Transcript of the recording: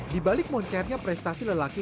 di balik moncernya prestasi lelaki